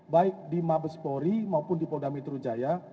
baik di mabespori maupun di polda metro jaya